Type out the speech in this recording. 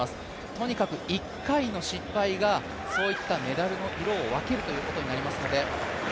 とにかく１回の失敗が、メダルの色を分けることになりますので。